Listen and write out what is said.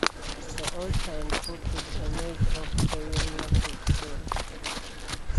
The altar and pulpit are made of hewn massive stone.